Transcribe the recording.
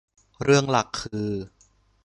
เรื่องหลักคือ